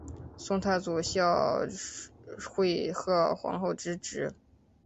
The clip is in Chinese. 宋太祖孝惠贺皇后之侄。